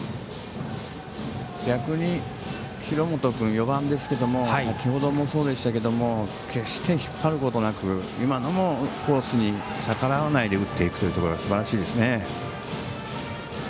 逆に廣本君４番ですけれども先ほどもそうでしたけども決して引っ張ることもなく今のもコースに逆らわずに打っていくというところがすばらしいですね。